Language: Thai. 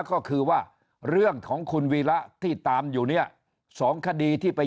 ก็คือว่าเรื่องของคุณวีระที่ตามอยู่เนี่ยสองคดีที่ไป